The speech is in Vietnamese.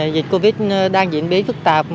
dịch covid đang diễn biến phức tạp